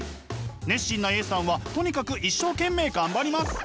熱心なＡさんはとにかく一生懸命頑張ります。